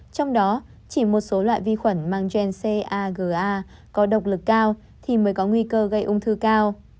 trong đó chỉ một số loại vi khuẩn mang gencaga có độc lực cao thì mới có nguy cơ gây ung thư cao